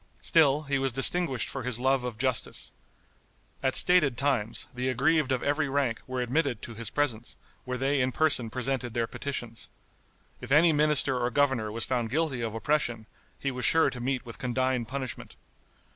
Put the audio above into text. Still he was distinguished for his love of justice. At stated times the aggrieved of every rank were admitted to his presence, where they in person presented their petitions. If any minister or governor was found guilty of oppression, he was sure to meet with condign punishment.